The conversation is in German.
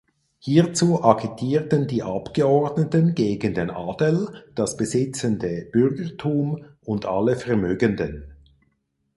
Hierzu agitierten die Abgeordneten gegen den Adel, das besitzende Bürgertum und alle Vermögenden.